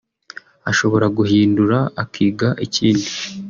ashobora guhindura akiga ikindi